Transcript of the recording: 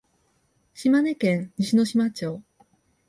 島根県西ノ島町